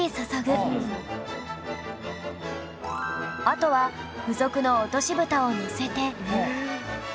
あとは付属の落としブタをのせて